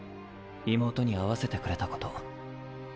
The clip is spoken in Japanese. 妹に会わせてくれたこと。